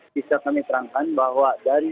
bisa kami terangkan bahwa dari